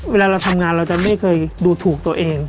เวลาเราทำงานเราจะไม่เคยดูถูกตัวเอง